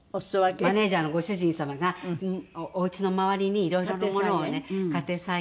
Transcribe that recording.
マネジャーのご主人様がおうちの周りにいろいろなものをね家庭菜園で。